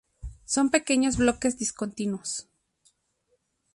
Son pequeños bloques discontinuos.